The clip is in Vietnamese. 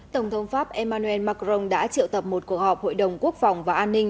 tổng thống pháp emmanuel macron đã triệu tập một cuộc họp hội đồng quốc phòng và an ninh